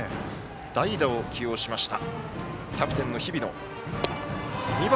代打を起用しました。